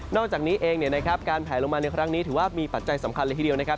อกจากนี้เองการแผลลงมาในครั้งนี้ถือว่ามีปัจจัยสำคัญเลยทีเดียวนะครับ